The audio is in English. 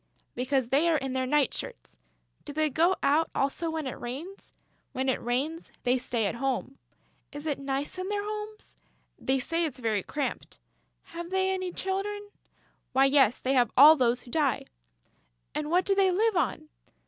"Because they are in their night shirts." "Do they go out also when it rains?" "When it rains, they stay at home." "Is it nice in their homes?" "They say it's very cramped." "Have they any little children?" "Why, yes, they have all those who die." "And what do they live on?"